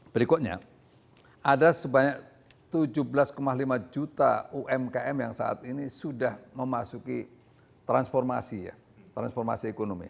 berikutnya ada sebanyak tujuh belas lima juta umkm yang saat ini sudah memasuki transformasi ya transformasi ekonomi